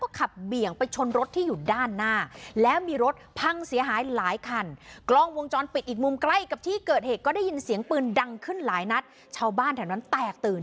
ก็ได้ยินเสียงปืนดังขึ้นหลายนัดเช้าบ้านแถวนั้นแตกตื่น